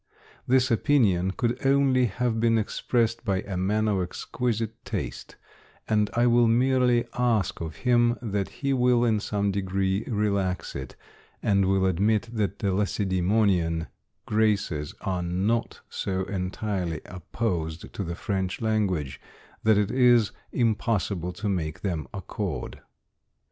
This opinion could only have been expressed by a man of exquisite taste, and I will merely ask of him that he will in some degree relax it, and will admit that the Lacedemonian graces are not so entirely opposed to the French language, that it is impossible to make them accord.